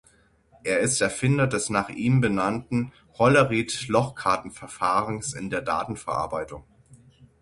Er ist Erfinder des nach ihm benannten Hollerith-Lochkartenverfahrens in der Datenverarbeitung.